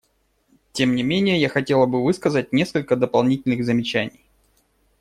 Тем не менее я хотела бы высказать несколько дополнительных замечаний.